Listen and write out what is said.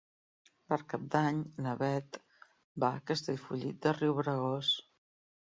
Per Cap d'Any na Beth va a Castellfollit de Riubregós.